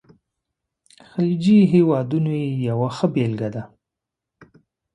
خلیجي هیوادونه یې یوه ښه بېلګه ده.